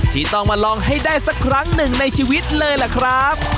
ที่ต้องมาลองให้ได้สักครั้งหนึ่งในชีวิตเลยล่ะครับ